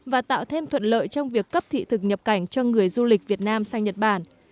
và tạo thêm thuận lợi trong việc cấp thị thực nhập cảnh cho người du lịch việt nam sang nhật bản